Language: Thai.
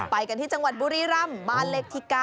ไปกันที่จังหวัดบุรีรำบ้านเลขที่๙